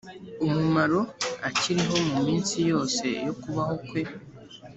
umumaro akiriho mu minsi yose yo kubaho kwe